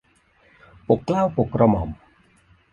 ปกเกล้าปกกระหม่อม